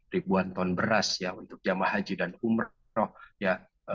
ribuan ton beras ya untuk jamaah haji dan umroh ya